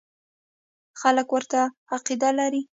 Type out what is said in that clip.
خلک ورته عقیده لري.